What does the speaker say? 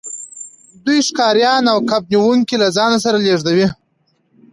دوی ښکاریان او کب نیونکي له ځان سره لیږدوي